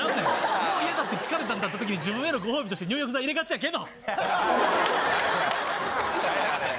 もうやだって疲れたときに自分へのご褒美として入浴剤入れがちやけど。